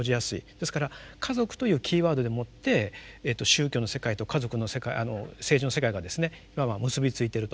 ですから「家族」というキーワードでもって宗教の世界と家族の世界政治の世界がですねいわば結びついてると。